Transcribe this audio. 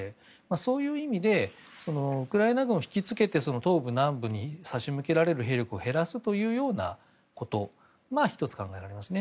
そういう意味でウクライナ軍を引き付けて東部、南部に差し向けられる兵力を減らすということが１つ、考えられますね。